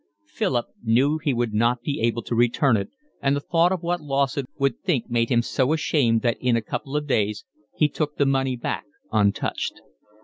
Philip knew he would not be able to return it, and the thought of what Lawson would think made him so ashamed that in a couple of days he took the money back untouched.